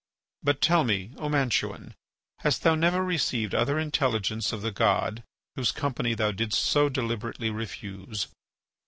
But tell me, O Mantuan, hast thou never received other intelligence of the God whose company thou didst so deliberately refuse?"